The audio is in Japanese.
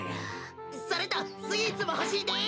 それとスイーツもほしいです。